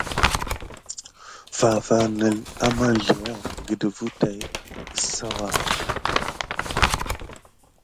Far far ki ne àmanzləra gəɗefùt tät kusoza.